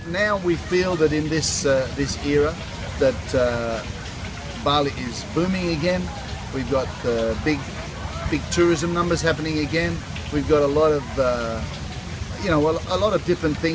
kami memiliki banyak hal yang berbeda di bali